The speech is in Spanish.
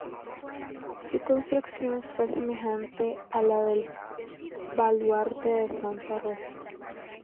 Su construcción fue semejante a la del baluarte de Santa Rosa.